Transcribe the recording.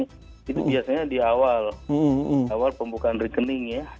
itu biasanya di awal pembukaan rekening ya